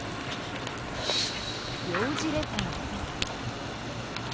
領事レターです。